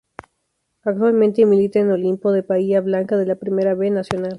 Actualmente milita en Olimpo de Bahía Blanca de la Primera B Nacional.